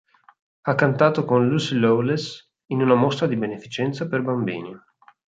Ha cantato con Lucy Lawless in una mostra di beneficenza per bambini.